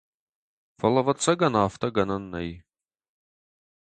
Фӕлӕ, ӕвӕццӕгӕн, афтӕ гӕнӕн нӕй.